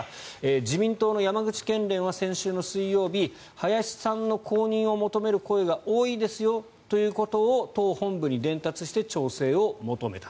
自民党の山口県連は先週の水曜日林さんの公認を求める声が多いですよということを党本部に伝達して調整を求めた。